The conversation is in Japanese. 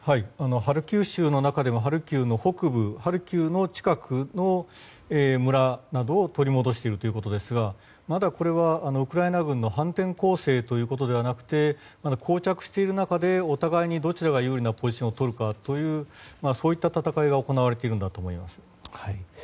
ハルキウ州の中でもハルキウの北部ハルキウの近くの村などを取り戻しているということですがまだこれはウクライナ軍の反転攻勢ということではなくて膠着している中でお互いにどちらが有利なポジションをとるかという、そういった戦いが行われているんだと思います。